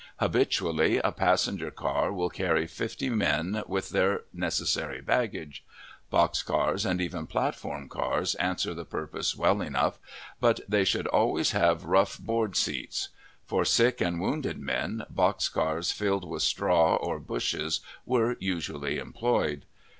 Habitually, a passenger car will carry fifty men with their necessary baggage. Box cars, and even platform cars, answer the purpose well enough, but they, should always have rough board seats. For sick and wounded men, box cars filled with straw or bushes were usually employed.